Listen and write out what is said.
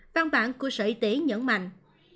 văn bản của sở y tế nhấn mạnh